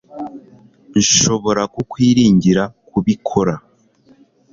nshobora kukwiringira kubikora